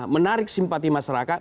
menarik simpati masyarakat